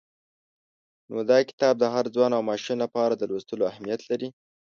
نو دا کتاب د هر ځوان او ماشوم لپاره د لوستلو اهمیت لري.